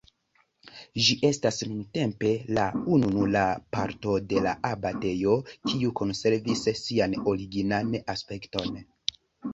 Ĝi estas nuntempe la ununura parto de la abatejo kiu konservis sian originan aspekton.